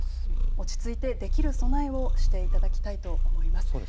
落ち着いてできる備えをしていただきたいと思います。